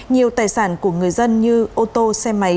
nhiều tài sản của người dân như ô tô xe máy